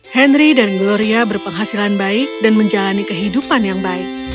henry dan gloria berpenghasilan baik dan menjalani kehidupan yang baik